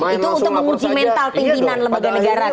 itu untuk menguji mental pimpinan lembaga negara